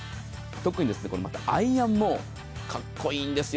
特にアイアンもかっこいいんですよ。